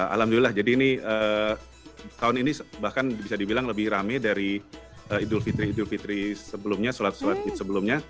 alhamdulillah jadi ini tahun ini bahkan bisa dibilang lebih rame dari idul fitri idul fitri sebelumnya sholat sholat id sebelumnya